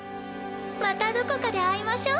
またどこかで会いましょう。